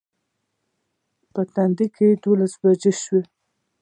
په تندي کې دولس بجې شوې.